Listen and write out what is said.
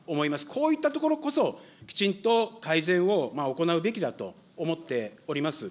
こういったところこそ、きちんと改善を行うべきだと思っております。